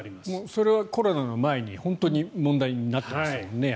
それはコロナの前に本当に問題になってましたよね。